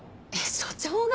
署長が？